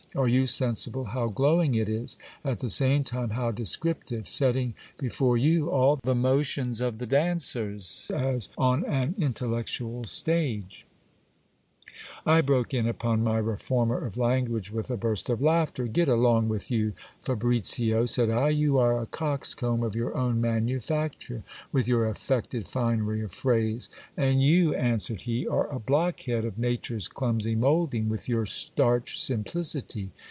Are you sensible how glowing it is, at the same time how descriptive, setting before you all the motions of the dancers, as on an intellectual stage ? I broke in upon my reformer of language with a burst of laughter. Get along with you, Fabricio, said I, you are a coxcomb of your own manufacture, with your affected finery of phrase. And you, answered he, are a blockhead of nature's clumsy moulding, with your starch simplicity.